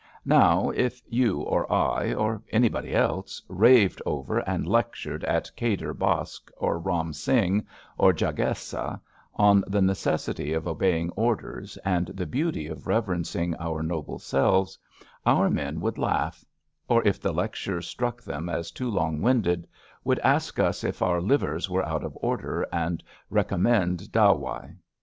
Now, if you or I or anybody else raved over and lectured at Kadir Baksh, or Eam Singh, or Jagesa on the necessity of obeying orders and the beauty of reverencing our noble selves, our men would laugh; or if the lecture struck them as too long winded would ask us if our livers were out of order and recommend dawai.